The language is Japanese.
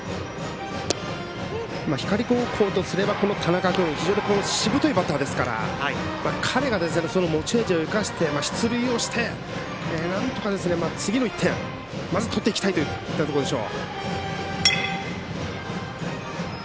光高校とすれば田中君非常にしぶといバッターですから彼が、その持ち味を生かして出塁をしてなんとか、次の１点を取っていきたいというところでしょう。